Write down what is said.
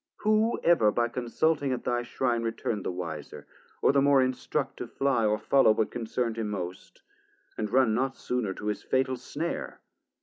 Who ever by consulting at thy shrine Return'd the wiser, or the more instruct To flye or follow what concern'd him most, 440 And run not sooner to his fatal snare?